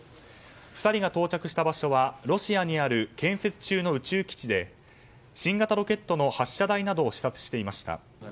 ２人が到着した場所はロシアにある建設中の宇宙基地で新型ロケットの発射台などを視察していました。